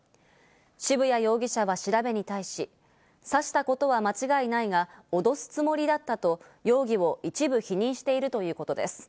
渋谷容疑者は調べに対し、刺したことは間違いないが脅すつもりだったと容疑を一部否認しているということです。